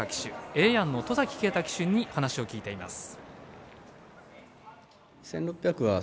エエヤンの戸崎圭太騎手に話を聞いています。